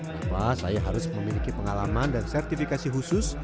apa saya harus memiliki pengalaman dan sertifikasi khusus